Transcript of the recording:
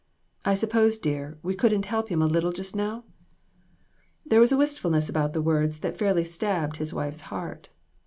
I suppose, dear, we couldn't help him a little just now ?" There was a wistfulness about the words that fairly stabbed his wife's heart.